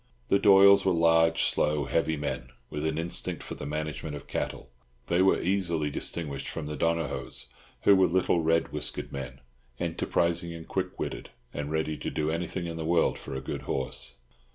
The Doyles were large, slow, heavy men, with an instinct for the management of cattle; they were easily distinguished from the Donohoes, who were little red whiskered men, enterprising and quick witted, and ready to do anything in the world for a good horse.